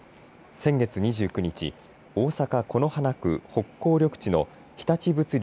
先月２９日、大阪此花区北港緑地の日立物流